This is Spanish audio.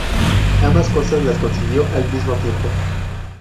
Ambas cosas las consiguió al mismo tiempo.